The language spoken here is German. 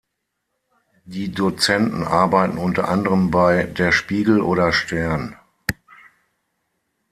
Die Dozenten arbeiten unter anderem bei "Der Spiegel" oder "Stern".